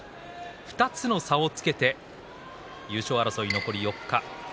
２つの差をつけて優勝争い残り４日。